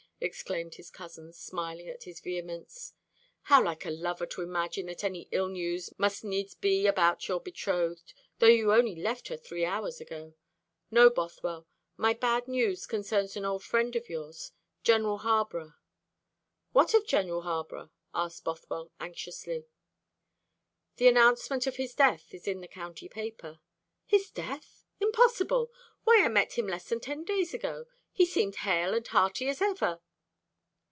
exclaimed his cousin, smiling at his vehemence. "How like a lover to imagine that any ill news must needs be about your betrothed, though you only left her three hours ago! No, Bothwell, my bad news concerns an old friend of yours, General Harborough." "What of General Harborough?" asked Bothwell anxiously. "The announcement of his death is in the county paper." "His death? Impossible! Why, I met him less than ten days ago. He seemed hale and hearty as ever."